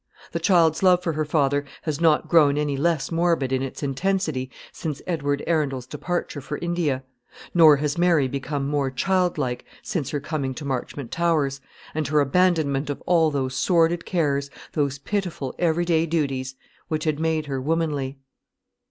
The child's love for her father has not grown any less morbid in its intensity since Edward Arundel's departure for India; nor has Mary become more childlike since her coming to Marchmont Towers, and her abandonment of all those sordid cares, those pitiful every day duties, which had made her womanly.